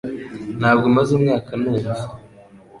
Ntabwo maze umwaka numva